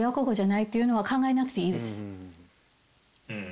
うん。